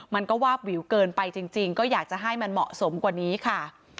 มันก็วาบวิวเกินไปจริงก็อยากจะให้มันเหมาะสมกว่านี้ค่ะ